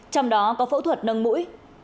trong đó có phẫu thuật nâng mũi